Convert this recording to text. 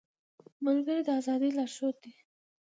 ملګری د ازادۍ لارښود دی